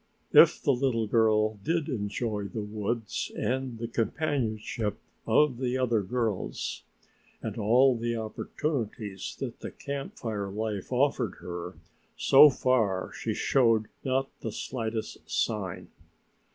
If the little girl did enjoy the woods and the companionship of the other girls and all the opportunities that the camp fire life offered her, so far she showed not the slightest sign.